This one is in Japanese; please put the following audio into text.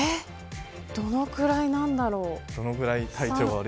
どのぐらいなんだろう。